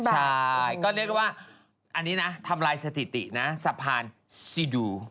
ใช่ก็เรียกว่าอันนี้นะทำลายสถิตินะสะพานซีดู